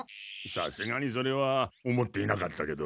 さすがにそれは思っていなかったけど。